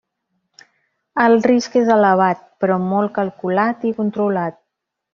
El risc és elevat, però molt calculat i controlat.